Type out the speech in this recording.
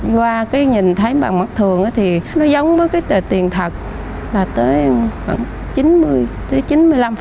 qua cái nhìn thấy bằng mặt thường thì nó giống với cái tờ tiền thật là tới khoảng chín mươi tới chín mươi năm